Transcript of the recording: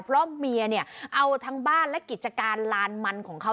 เพราะเมียเนี่ยเอาทั้งบ้านและกิจการลานมันของเขา